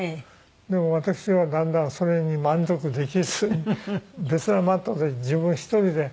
でも私はだんだんそれに満足できずに別なマットで自分一人でやるんですね。